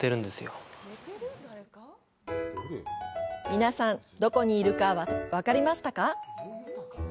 皆さん、どこにいるか分かりましたか。